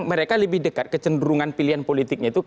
mereka lebih dekat kecenderungan pilihan politiknya itu